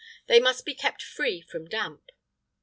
They must be kept free from damp."